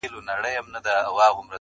جهاني کله له ډیوو سره زلمي را وزي؛